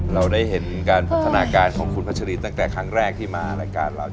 เราได้เห็นการพัฒนาการของคุณพัชรีตั้งแต่ครั้งแรกที่มารายการเรา